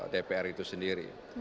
dpr itu sendiri